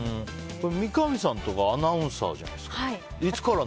三上さんとかアナウンサーじゃないですか。